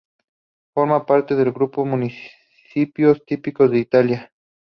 Forma parte del grupo de municipios típicos de Italia.